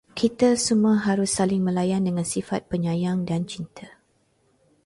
Kita semua harus saling melayan dengan sifat penyayang dan cinta